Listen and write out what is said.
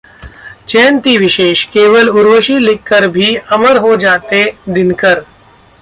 जयंती विशेषः केवल उर्वशी लिखकर भी अमर हो जाते दिनकर